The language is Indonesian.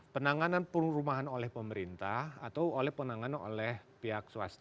penanganan perumahan oleh pemerintah atau oleh penanganan oleh pihak swasta